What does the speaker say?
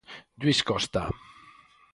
Lluís Costa.